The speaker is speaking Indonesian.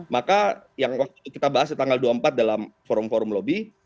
maka yang waktu itu kita bahas di tanggal dua puluh empat dalam forum forum lobby